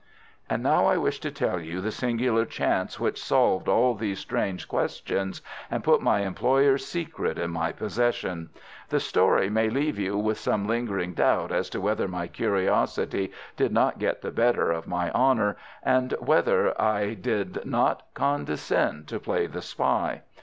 And now I wish to tell you the singular chance which solved all these strange questions and put my employer's secret in my possession. The story may leave you with some lingering doubt as to whether my curiosity did not get the better of my honour, and whether I did not condescend to play the spy.